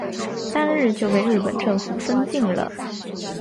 当日就被日本政府封禁了。